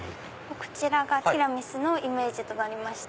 こちらがティラミスのイメージとなりました